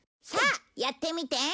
さあやってみて！